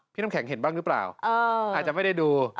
น้ำแข็งเห็นบ้างหรือเปล่าอาจจะไม่ได้ดู